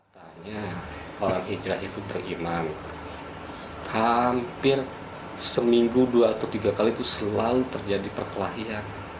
tanya orang hijrah itu beriman hampir seminggu dua atau tiga kali itu selalu terjadi perkelahian